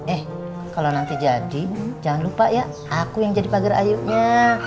eh kalau nanti jadi jangan lupa ya aku yang jadi pagar ayunya